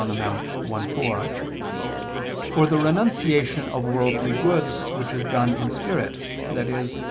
in Monte i, 4), or the renunciation of worldly goods which is done in spirit, i.e.